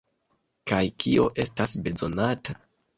Kaj kio estas bezonata?